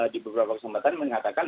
di beberapa kesempatan mengatakan